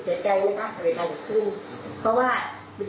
เพราะว่าสิ่งที่พูดว่าเป็นเรื่องสำบัดกรรมดา